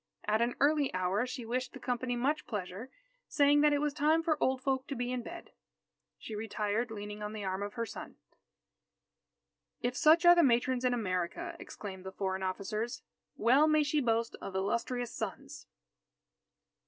At an early hour she wished the company much pleasure, saying that it was time for old folk to be in bed. She retired leaning on the arm of her son. "If such are the matrons in America," exclaimed the foreign officers, "well may she boast of illustrious sons!"